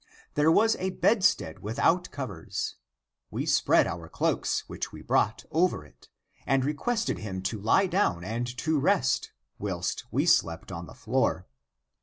There was a bedstead without covers; we spread our cloaks, which we brought, over it and requested him to lie down and to rest, whilst we slept on the floor.